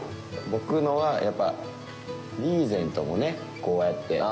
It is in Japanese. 僕のはやっぱリーゼントもねこうやって。